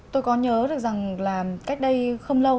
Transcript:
tôi có nhớ được rằng là cách đây không lâu